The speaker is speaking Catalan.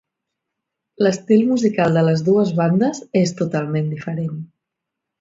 L'estil musical de les dues bandes és totalment diferent.